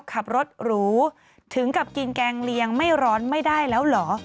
ขับรถหรูถึงกับกินแกงเลียงไม่ร้อนไม่ได้แล้วเหรอ